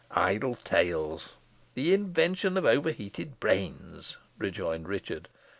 "Idle tales, the invention of overheated brains," rejoined Richard.